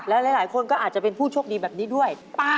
และหลายคนก็อาจจะเป็นผู้โชคดีแบบนี้ด้วย